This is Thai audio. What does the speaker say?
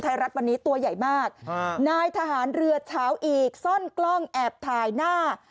ไทยรัฐวันนี้ตัวใหญ่มากนายทหารเรือเช้าอีกซ่อนกล้องแอบถ่ายหน้า